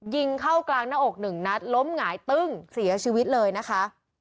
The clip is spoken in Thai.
ยิงเข้ากลางหน้าอกหนึ่งนัดล้มหงายตึ้งเสียชีวิตเลยนะคะ